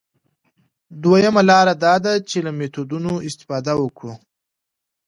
دویمه لاره دا ده چې له میتودونو استفاده وکړو.